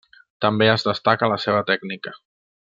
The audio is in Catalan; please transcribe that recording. També es destaca la seua tècnica.